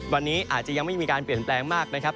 วันนี้อาจจะยังไม่มีการเปลี่ยนแปลงมากนะครับ